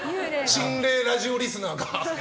心霊ラジオリスナーが。